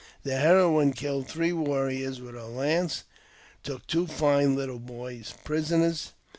The heroine killed three warriors with her lance, and took two fine little boys prisoners.